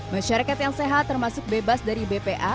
masyarakat yang sehat termasuk bebas dari bpa